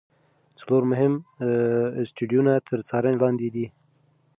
څلور مهم اسټروېډونه تر څارنې لاندې دي.